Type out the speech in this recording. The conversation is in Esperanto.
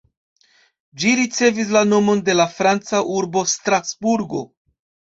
Ĝi ricevis la nomon de la franca urbo Strasburgo.